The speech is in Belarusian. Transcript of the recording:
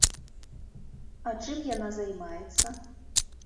А чым яна займаецца?